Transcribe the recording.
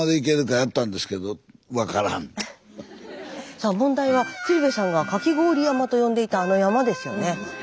さあ問題は鶴瓶さんがかき氷山と呼んでいたあの山ですよね。